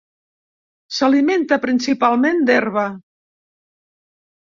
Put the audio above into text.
S'alimenta principalment d'herba.